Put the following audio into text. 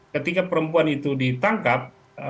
ketika perempuan itu ditangkap